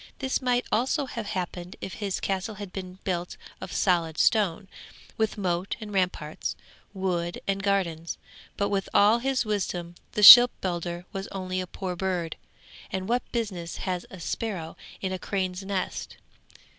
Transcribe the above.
This might also have happened if his castle had been built of solid stone, with moat and ramparts, wood and gardens. But with all his wisdom the shipbuilder was only a poor bird, and what business has a sparrow in a crane's nest?